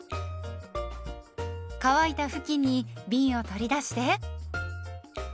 乾いた布巾にびんを取り出して。